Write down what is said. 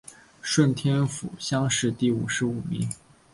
顺天府乡试第五十五名。